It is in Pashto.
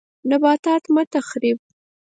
نباتات مه تخریب